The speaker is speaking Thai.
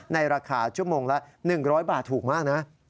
ในราคาชั่วโมงละ๑๐๐บาทถูกมากนะ